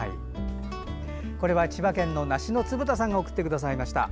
これは千葉県の梨のつぶ太さんが送ってくださいました。